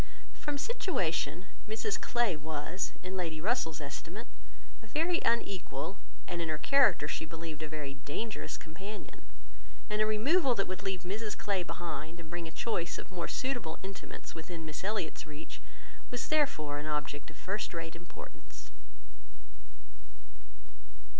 From situation, Mrs Clay was, in Lady Russell's estimate, a very unequal, and in her character she believed a very dangerous companion; and a removal that would leave Mrs Clay behind, and bring a choice of more suitable intimates within Miss Elliot's reach, was therefore an object of first rate importance.